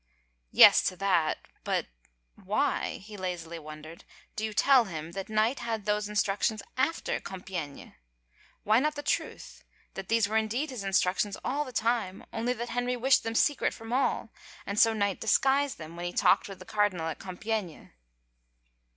" Yes, to that ... but why," he lazily wondered, " do you tell him that Knight had those instructions after Compi^;nc? Why not the truth — that these were in deed his instructions all the time only that Henry wished them secret from all, and so Knight disguised them when he talked with the cardinal at Compiegne."